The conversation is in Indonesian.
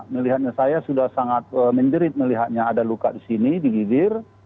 melihatnya saya sudah sangat menjerit melihatnya ada luka di sini di gizir